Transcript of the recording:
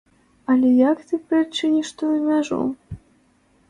Але як ты прыадчыніш тую мяжу?